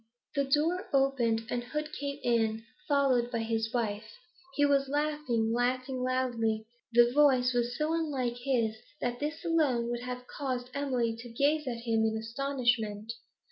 The door opened, and Hood came in, followed by his wife. He was laughing, laughing loudly; the voice was so unlike his that this alone would have caused Emily to gaze at him in astonishment.